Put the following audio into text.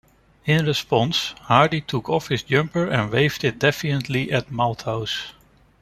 In response, Hardie took off his jumper and waved it defiantly at Malthouse.